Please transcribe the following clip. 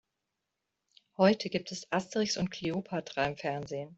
Heute gibt es "Asterix und Kleopatra" im Fernsehen.